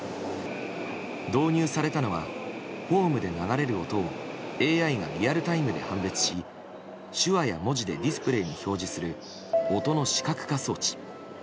導入されたのはホームで流れる音をＡＩがリアルタイムで判別し手話や文字でディスプレーに表示する音の視覚化装置。